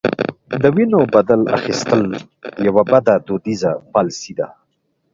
د وینو بدل اخیستل یوه بده دودیزه پالیسي ده.